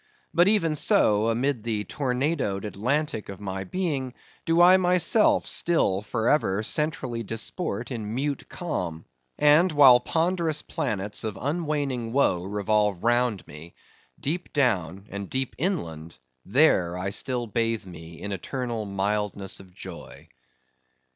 But even so, amid the tornadoed Atlantic of my being, do I myself still for ever centrally disport in mute calm; and while ponderous planets of unwaning woe revolve round me, deep down and deep inland there I still bathe me in eternal mildness of joy.